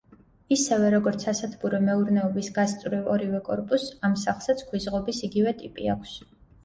ისევე როგორც სასათბურე მეურნეობის გასწვრივ ორივე კორპუსს, ამ სახლსაც ქვის ღობის იგივე ტიპი აქვს.